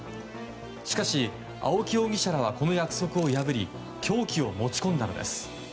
しかし、青木容疑者らはこの約束を破り凶器を持ち込んだのです。